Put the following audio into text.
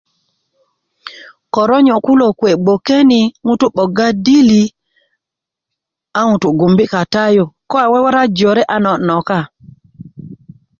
koronyo kuwe bgwoke ni ŋutu 'boga dili a nutu gumbi kata yu ko aje wora jore a nokani noka